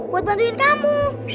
buat bantuin kamu